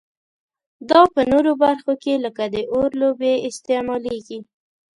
دا په نورو برخو کې لکه د اور لوبې استعمالیږي.